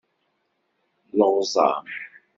Leɣẓam.